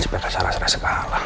seperti secara segala